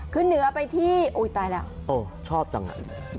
ขึ้นเหนือไปที่อุ้ยตายแล้วโอ้ชอบจังอ่ะ